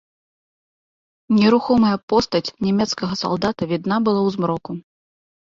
Нерухомая постаць нямецкага салдата відна была ў змроку.